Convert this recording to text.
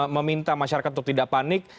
meminta masyarakat untuk tidak panik